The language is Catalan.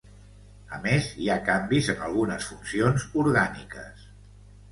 A més, hi ha canvis en algunes funcions orgàniques.